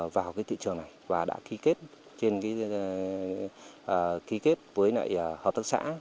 vào cái thị trường này và đã ký kết với hợp tác xã